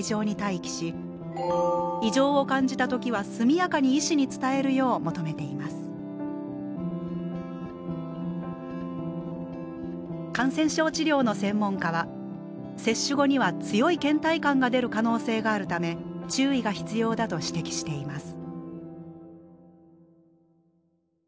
厚生労働省は特に過去に予防接種で感染症治療の専門家は接種後には強いけん怠感が出る可能性があるため注意が必要だと指摘しています。